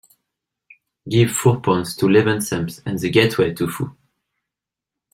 Give four points to Leven Thumps and the Gateway to Foo